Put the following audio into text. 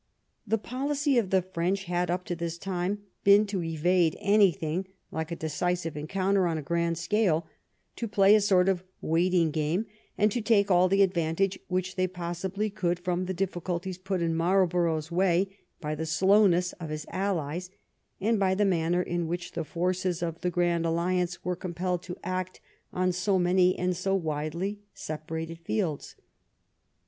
The policy of the French had, up to this time, been to evade anything like a decisive encounter on a grand scale, to play a sort of waiting game, and to take all the advantage they possibly could from the difficulties put in Marlborough's way by the slowness of his allies and by the manner in which the forces of the Grand Alliance were compelled to act on so many and so widely separated fields.